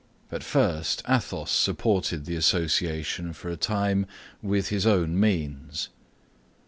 At first, Athos supported the association for a time with his own means.